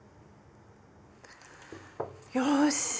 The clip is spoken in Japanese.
よし！